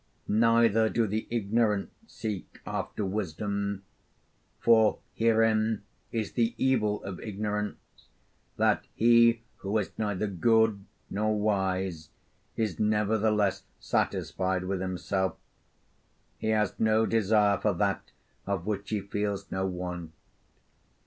Neither do the ignorant seek after wisdom. For herein is the evil of ignorance, that he who is neither good nor wise is nevertheless satisfied with himself: he has no desire for that of which he feels no want.'